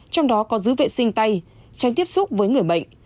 trong đó có giữ vệ sinh tay tránh tiếp xúc với người bệnh